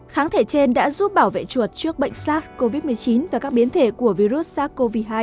kháng thể trên đã giúp bảo vệ chuột trước bệnh sars cov một mươi chín và các biến thể của virus sars cov hai